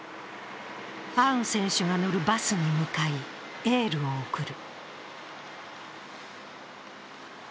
アウン選手が乗るバスに向かい、エールを送る。